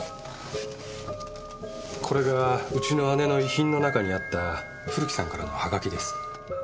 これがうちの姉の遺品の中にあった古木さんからのはがきです。